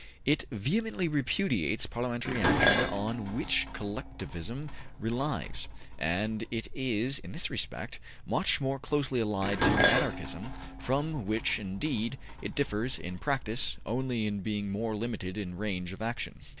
It vehemently repudiates Parliamentary action on which Collectivism relies; and it is, in this respect, much more closely allied to Anarchism, from which, indeed, it differs in practice only in being more limited in range of action.''